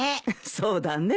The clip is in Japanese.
そうだね。